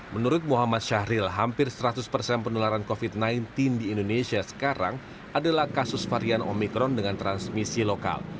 menurut muhammad syahril hampir seratus persen penularan covid sembilan belas di indonesia sekarang adalah kasus varian omikron dengan transmisi lokal